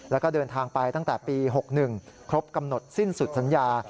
แล้วก็เดินทางไปตั้งแต่ปี๖๑ครบกำหนดสิ้นสุดสัญญา